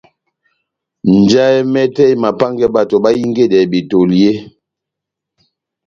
Njahɛ mɛtɛ emapángɛ bato bahingedɛ betoli eeeh ?